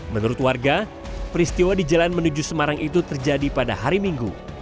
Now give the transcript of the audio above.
menurut warga peristiwa di jalan menuju semarang itu terjadi pada hari minggu